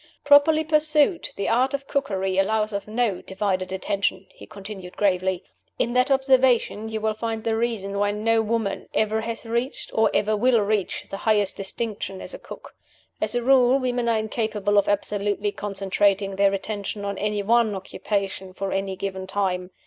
"Properly pursued, the Art of Cookery allows of no divided attention," he continued, gravely. "In that observation you will find the reason why no woman ever has reached, or ever will reach, the highest distinction as a cook. As a rule, women are incapable of absolutely concentrating their attention on any one occupation for any given time.